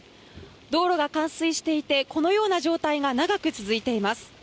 道路が冠水していて、このような状態が長く続いています。